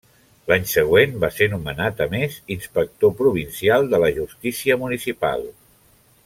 L'any següent, va ser nomenat, a més, inspector provincial de la justícia municipal.